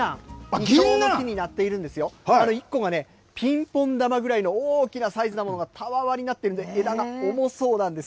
イチョウの木になっているんですよ、１個がね、ピンポン玉ぐらいの大きなサイズがたわわになっていて、枝が重そうなんです。